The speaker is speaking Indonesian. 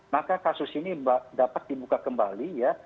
maka kasus ini dapat dibuka kembali ya